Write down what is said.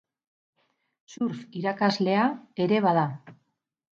Surf irakaslea ere bada.